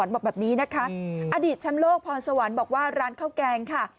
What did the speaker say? บอกแบบนี้นะคะอดีตแชมป์โลกพรสวรรค์บอกว่าร้านข้าวแกงค่ะ